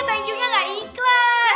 thank you nya enggak ikhlas